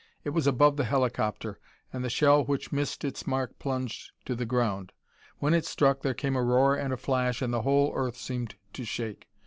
It was above the helicopter, and the shell which missed its mark plunged to the ground. When it struck there came a roar and a flash and the whole earth seemed to shake.